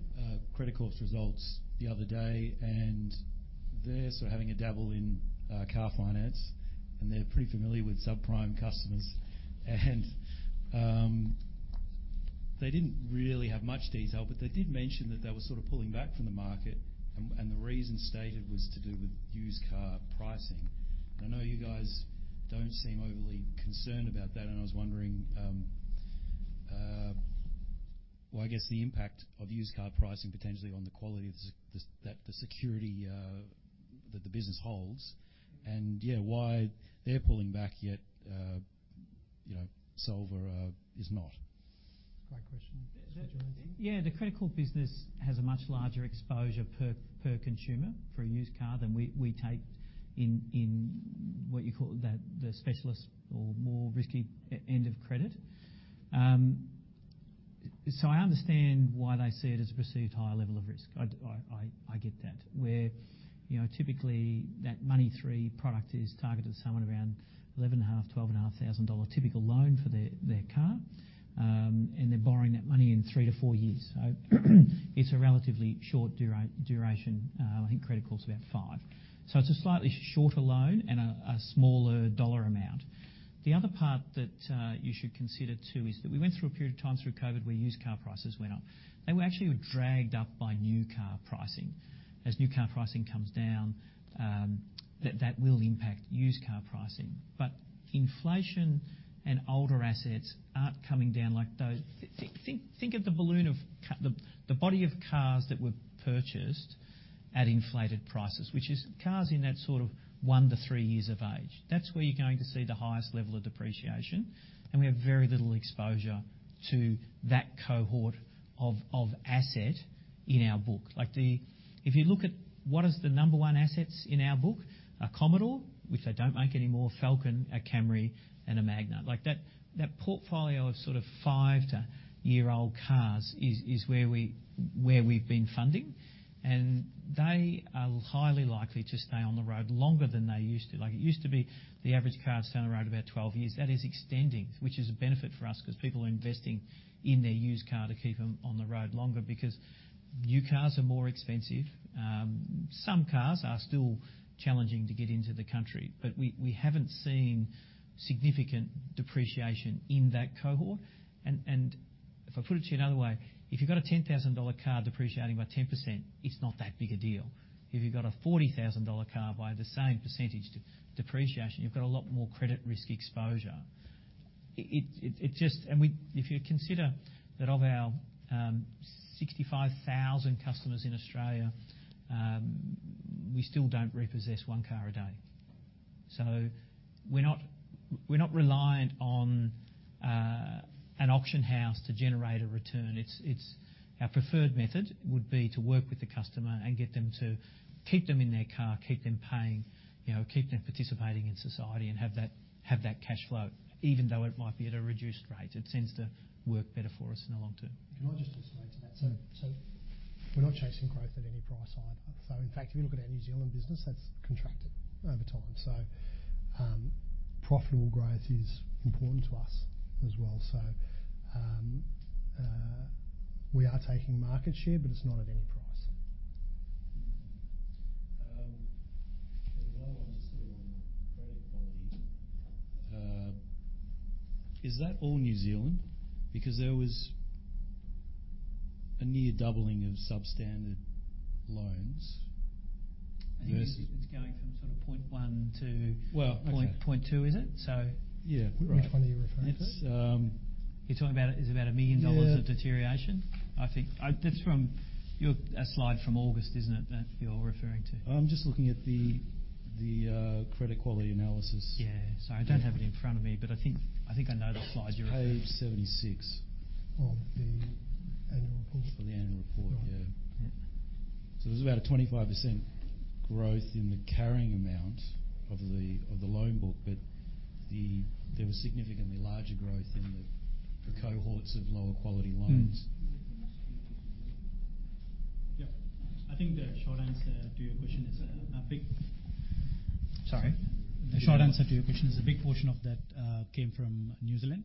Credit Corp's results the other day, and they're sort of having a dabble in car finance, and they're pretty familiar with subprime customers. And they didn't really have much detail, but they did mention that they were sort of pulling back from the market, and the reason stated was to do with used car pricing. I know you guys don't seem overly concerned about that, and I was wondering, well, I guess, the impact of used car pricing potentially on the quality of the security that the business holds, and why they're pulling back yet, you know, Solvar is not? Great question. Do you want to- Yeah, the Credit Corp business has a much larger exposure per consumer for a used car than we take in what you call the specialist or more risky end of credit. So I understand why they see it as a perceived higher level of risk. I get that, where, you know, typically, that Money3 product is targeted at someone around 11.5 thousand-12.5 thousand dollar typical loan for their car, and they're borrowing that money in 3-4 years. So, it's a relatively short duration. I think Credit Corp's about 5. So it's a slightly shorter loan and a smaller dollar amount. The other part that you should consider, too, is that we went through a period of time through COVID, where used car prices went up. They were actually dragged up by new car pricing. As new car pricing comes down, that will impact used car pricing. But inflation and older assets aren't coming down like those. Think of the balloon of the body of cars that were purchased at inflated prices, which is cars in that sort of 1-3 years of age. That's where you're going to see the highest level of depreciation, and we have very little exposure to that cohort of asset in our book. Like the. If you look at what is the number one assets in our book, a Commodore, which they don't make anymore, Falcon, a Camry, and a Magna. Like, that portfolio of sort of 5- to 7-year-old cars is where we've been funding, and they are highly likely to stay on the road longer than they used to. Like, it used to be, the average car stay on the road about 12 years. That is extending, which is a benefit for us, 'cause people are investing in their used car to keep them on the road longer, because new cars are more expensive. Some cars are still challenging to get into the country, but we haven't seen significant depreciation in that cohort. And if I put it to you another way, if you've got a 10,000 dollar car depreciating by 10%, it's not that big a deal. If you've got a 40,000 dollar car by the same percentage depreciation, you've got a lot more credit risk exposure. It just and we, if you consider that of our 65,000 customers in Australia, we still don't repossess one car a day. So we're not reliant on an auction house to generate a return. It's our preferred method would be to work with the customer and get them to keep them in their car, keep them paying, you know, keep them participating in society and have that cash flow, even though it might be at a reduced rate. It tends to work better for us in the long term. Can I just add to that? So, we're not chasing growth at any price either. So in fact, if you look at our New Zealand business, that's contracted over time. So, profitable growth is important to us as well. So, we are taking market share, but it's not at any price. Another one just on credit quality. Is that all New Zealand? Because there was a near doubling of substandard loans versus- It's going from sort of 0.1 to- Well, okay. Point 2, is it? So- Yeah, right. Which one are you referring to? It's, um- You're talking about, it's about 1 million dollars- Yeah -of deterioration? I think... that's from your slide from August, isn't it, that you're referring to? I'm just looking at the credit quality analysis. Yeah. So I don't have it in front of me, but I think, I think I know the slide you're referring to. Page 76. Of the annual report. Of the annual report, yeah. Yeah. So there's about a 25% growth in the carrying amount of the loan book, but there was significantly larger growth in the cohorts of lower quality loans. Yeah. I think the short answer to your question is a big... Sorry? The short answer to your question is a big portion of that came from New Zealand.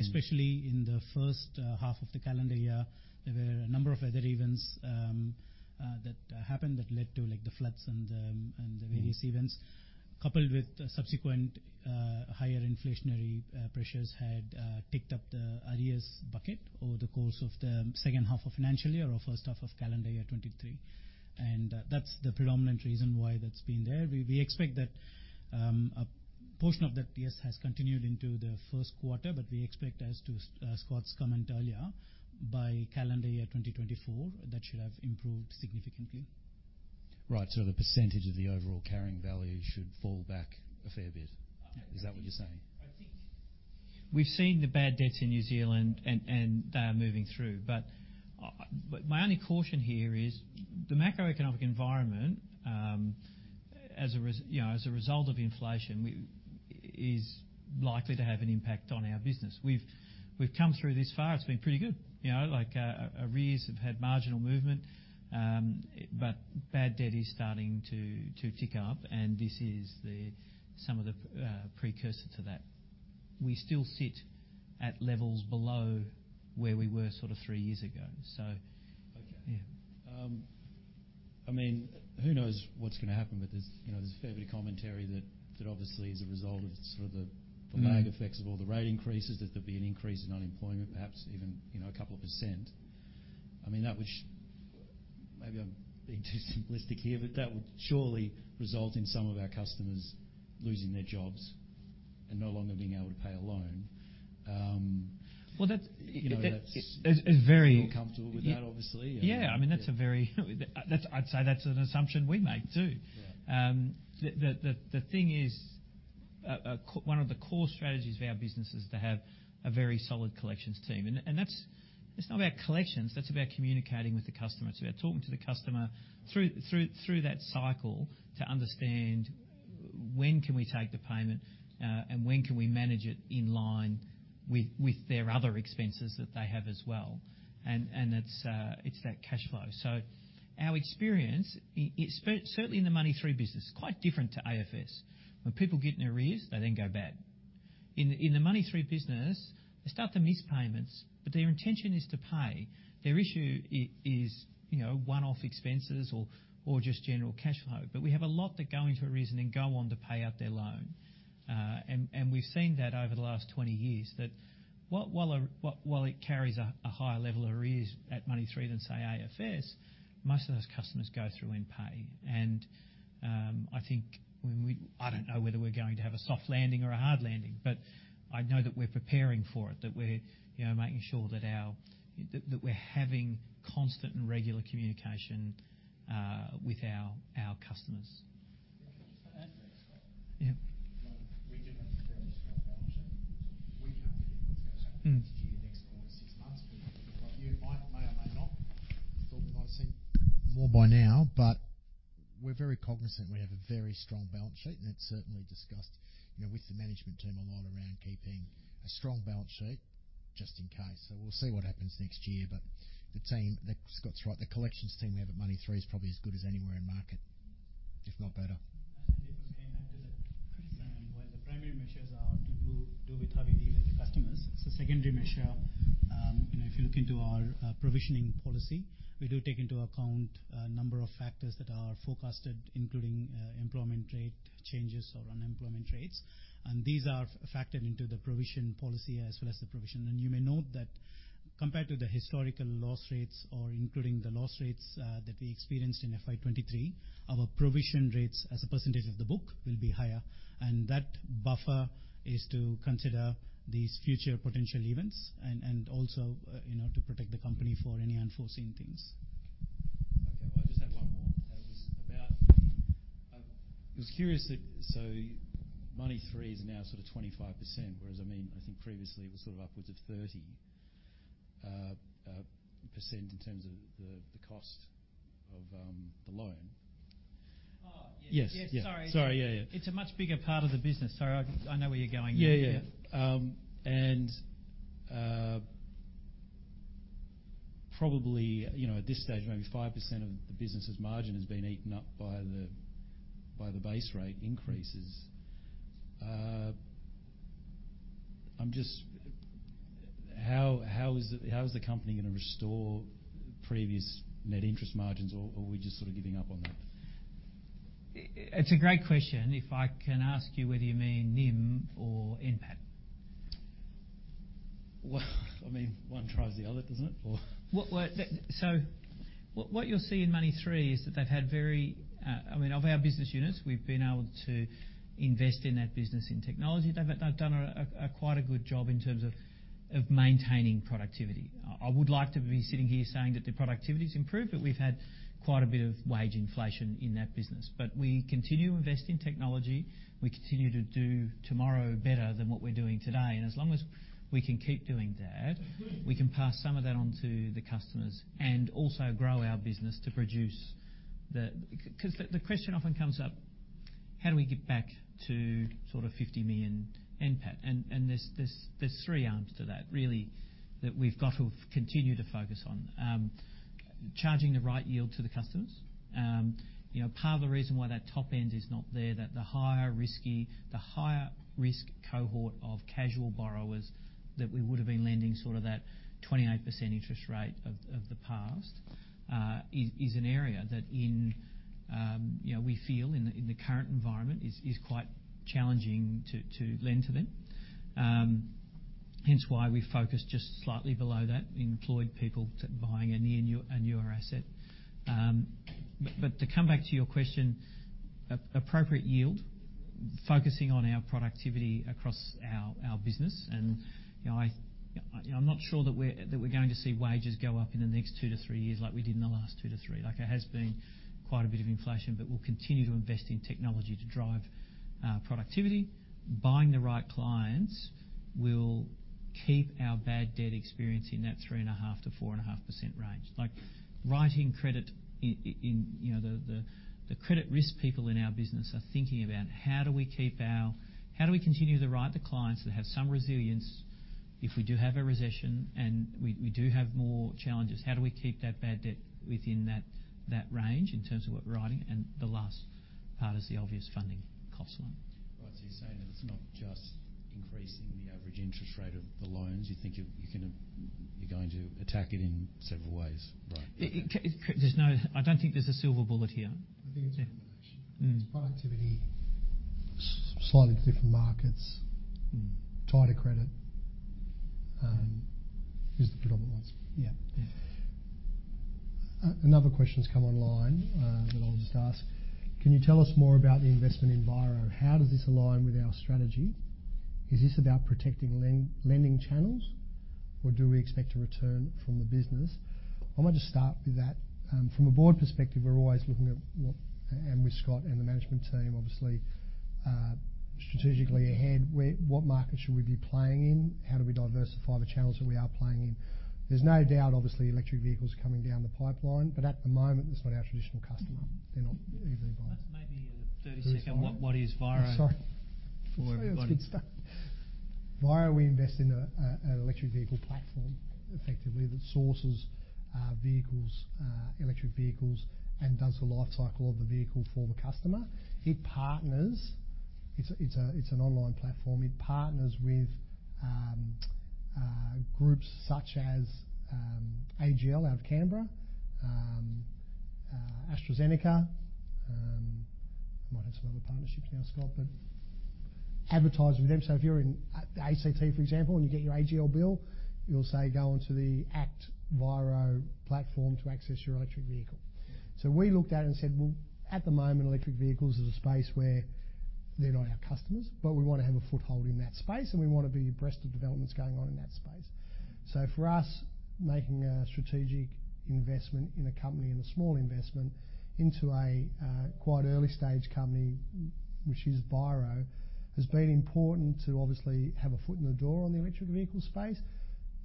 Especially in the first half of the calendar year, there were a number of weather events that happened that led to, like, the floods and the various events, coupled with subsequent higher inflationary pressures had ticked up the arrears bucket over the course of the second half of financial year or first half of calendar year 2023. That's the predominant reason why that's been there. We expect that a portion of that, yes, has continued into the Q1, but we expect as to Scott's comment earlier, by calendar year 2024, that should have improved significantly. Right. So the percentage of the overall carrying value should fall back a fair bit. Is that what you're saying? I think we've seen the bad debts in New Zealand, and they are moving through. But, but my only caution here is the macroeconomic environment, as a result you know, as a result of inflation is likely to have an impact on our business. We've come through this far, it's been pretty good. You know, like, our arrears have had marginal movement, but bad debt is starting to tick up, and this is some of the precursor to that. We still sit at levels below where we were sort of three years ago, so- Okay. Yeah. I mean, who knows what's gonna happen? But there's, you know, there's a fair bit of commentary that obviously, as a result of sort of the lag effects of all the rate increases, that there'll be an increase in unemployment, perhaps even, you know, a couple of percent. I mean, that would, maybe I'm being too simplistic here, but that would surely result in some of our customers losing their jobs and no longer being able to pay a loan. Well, that's it. You know, that's- It's very- You're comfortable with that, obviously. Yeah. I mean, I'd say that's an assumption we make, too. Yeah. The thing is, one of the core strategies of our business is to have a very solid collections team. And that's, it's not about collections, that's about communicating with the customer. It's about talking to the customer through that cycle to understand when can we take the payment, and when can we manage it in line with their other expenses that they have as well. And it's that cash flow. So our experience, it certainly in the Money3 business, quite different to AFS. When people get in arrears, they then go bad. In the Money3 business, they start to miss payments, but their intention is to pay. Their issue is, you know, one-off expenses or just general cash flow. But we have a lot that go into arrears and then go on to pay out their loan. We've seen that over the last 20 years, that while it carries a higher level of arrears at Money3 than, say, AFS, most of those customers go through and pay. I think I don't know whether we're going to have a soft landing or a hard landing, but I know that we're preparing for it, that we're, you know, making sure that we're having constant and regular communication with our customers. Yeah. Yeah. We do have a very strong balance sheet. We can't predict what's gonna happen- Mm-hmm. In the next six months. We, like you, might, may or may not. I thought we might have seen more by now, but we're very cognizant we have a very strong balance sheet, and that's certainly discussed, you know, with the management team a lot around keeping a strong balance sheet just in case. So we'll see what happens next year. But the team, Scott's right, the collections team we have at Money3 is probably as good as anywhere in market, if not better. And if we may add to that, Chris, while the primary measures are to do with having the customers, so secondary measure, you know, if you look into our provisioning policy, we do take into account a number of factors that are forecasted, including employment rate changes or unemployment rates, and these are factored into the provision policy as well as the provision. And you may note that compared to the historical loss rates or including the loss rates that we experienced in FY 2023, our provision rates as a percentage of the book will be higher, and that buffer is to consider these future potential events and, and also, you know, to protect the company for any unforeseen things. I was curious that, so Money3 is now sort of 25%, whereas, I mean, I think previously it was sort of upwards of 30% in terms of the cost of the loan. Oh, yes. Yes. Yeah, sorry. Sorry. Yeah, yeah. It's a much bigger part of the business. Sorry, I know where you're going. Yeah, yeah. And probably, you know, at this stage, maybe 5% of the business's margin has been eaten up by the base rate increases. How is the company gonna restore previous net interest margins, or are we just sort of giving up on that? It's a great question. If I can ask you whether you mean NIM or NPAT? Well, I mean, one drives the other, doesn't it, or? Well, well, so what, what you'll see in Money3 is that they've had very, I mean, of our business units, we've been able to invest in that business in technology. They've done quite a good job in terms of maintaining productivity. I would like to be sitting here saying that the productivity's improved, but we've had quite a bit of wage inflation in that business. But we continue to invest in technology. We continue to do tomorrow better than what we're doing today, and as long as we can keep doing that, we can pass some of that on to the customers and also grow our business to produce the... 'Cause the question often comes up: How do we get back to sort of 50 million NPAT? And there's three arms to that, really, that we've got to continue to focus on. Charging the right yield to the customers. You know, part of the reason why that top end is not there, that the higher risky, the higher-risk cohort of casual borrowers that we would've been lending sort of that 28% interest rate of the past is an area that in, you know, we feel in the current environment is quite challenging to lend to them. Hence, why we focus just slightly below that, employed people to buying a near new- a newer asset. But to come back to your question, appropriate yield, focusing on our productivity across our business, and, you know, I'm not sure that we're going to see wages go up in the next 2-3 years like we did in the last 2-3. Like, it has been quite a bit of inflation, but we'll continue to invest in technology to drive productivity. Buying the right clients will keep our bad debt experience in that 3.5%-4.5% range. Like, writing credit in, you know, the credit risk people in our business are thinking about: How do we keep our-- How do we continue to write to clients that have some resilience if we do have a recession and we do have more challenges? How do we keep that bad debt within that, that range in terms of what we're writing? The last part is the obvious funding cost one. Right. So you're saying that it's not just increasing the average interest rate of the loans, you think you're going to attack it in several ways, right? I don't think there's a silver bullet here. I think it's a combination. Mm. It's productivity, slightly different markets- Mm. - tighter credit is the predominant ones. Yeah. Yeah. Another question's come online, that I'll just ask: Can you tell us more about the investment in Vyro? How does this align with our strategy? Is this about protecting lending channels, or do we expect a return from the business? I might just start with that. From a board perspective, we're always looking at what... And with Scott and the management team, obviously, strategically ahead, where, what markets should we be playing in? How do we diversify the channels that we are playing in? There's no doubt, obviously, electric vehicles are coming down the pipeline, but at the moment, that's not our traditional customer. They're not easily buying. That's maybe a 30 second- Vyro? What is Vyro? Sorry. Before we go on. It's good stuff. Vyro, we invest in an electric vehicle platform, effectively, that sources vehicles, electric vehicles and does the life cycle of the vehicle for the customer. It partners. It's an online platform. It partners with groups such as AGL out of Canberra, AstraZeneca. I might have some other partnerships now, Scott, but advertise with them. So if you're in, the ACT, for example, and you get your AGL bill, you'll say, "Go onto the ACT Vyro platform to access your electric vehicle." So we looked at it and said, "Well, at the moment, electric vehicles is a space where they're not our customers, but we want to have a foothold in that space, and we want to be abreast of developments going on in that space." So for us, making a strategic investment in a company and a small investment into a, quite early stage company, which is Vyro, has been important to obviously have a foot in the door on the electric vehicle space.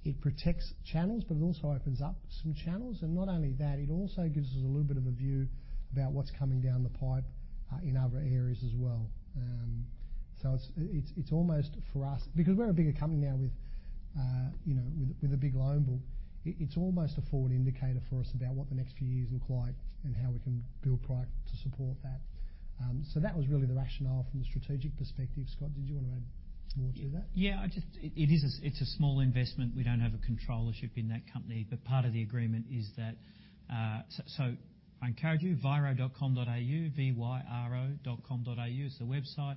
It protects channels, but it also opens up some channels, and not only that, it also gives us a little bit of a view about what's coming down the pipe, in other areas as well. So it's almost for us... Because we're a bigger company now with, you know, with a big loan book, it's almost a forward indicator for us about what the next few years look like and how we can build product to support that. So that was really the rationale from the strategic perspective. Scott, did you want to add more to that? Yeah, it is a small investment. We don't have a controlling interest in that company, but part of the agreement is that. So I encourage you, Vyro.com.au, V-Y-R-O.com.au is the website.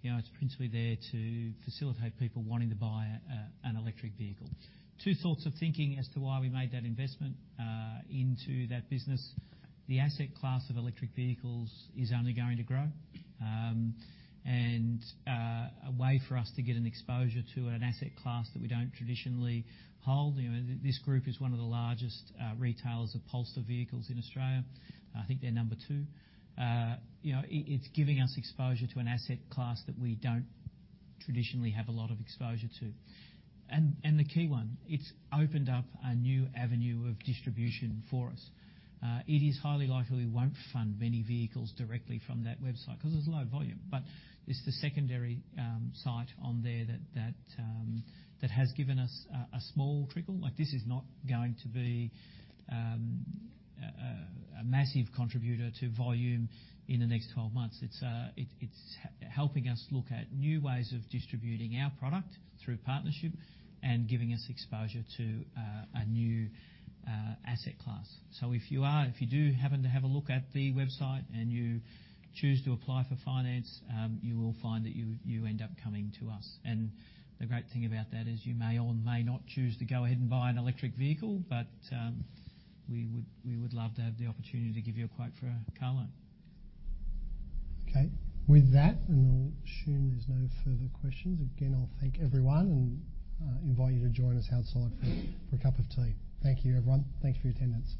You know, it's principally there to facilitate people wanting to buy an electric vehicle. 2 thoughts of thinking as to why we made that investment into that business. The asset class of electric vehicles is only going to grow, and a way for us to get an exposure to an asset class that we don't traditionally hold. You know, this group is one of the largest retailers of Polestar vehicles in Australia. I think they're number two. You know, it's giving us exposure to an asset class that we don't traditionally have a lot of exposure to. The key one, it's opened up a new avenue of distribution for us. It is highly likely we won't fund many vehicles directly from that website, 'cause it's low volume, but it's the secondary site on there that has given us a small trickle. Like, this is not going to be a massive contributor to volume in the next 12 months. It's helping us look at new ways of distributing our product through partnership and giving us exposure to a new asset class. So if you do happen to have a look at the website and you choose to apply for finance, you will find that you end up coming to us, and the great thing about that is you may or may not choose to go ahead and buy an electric vehicle, but we would love to have the opportunity to give you a quote for a car loan. Okay. With that, and I'll assume there's no further questions, again, I'll thank everyone and, invite you to join us outside for a cup of tea. Thank you, everyone. Thank you for your attendance.